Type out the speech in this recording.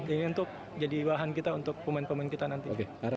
ini untuk jadi bahan kita untuk pemain pemain kita nanti